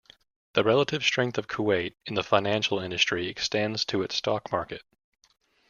The relative strength of Kuwait in the financial industry extends to its stock market.